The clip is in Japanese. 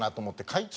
会長。